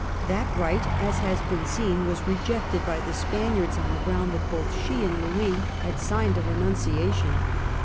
That right, as has been seen, was rejected by the Spaniards on the ground that both she and Louis had signed a renunciation.